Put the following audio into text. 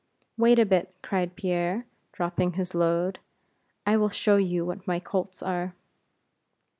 "Wait a bit," cried Pierre, dropping his load; "I will show you what my colts are."